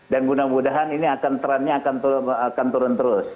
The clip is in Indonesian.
dan mudah mudahan ini akan trendnya akan turun terus